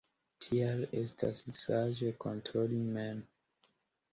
Tial estas saĝe kontroli mem.